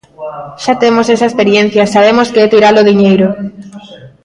Xa temos esa experiencia e sabemos que é tirar o diñeiro.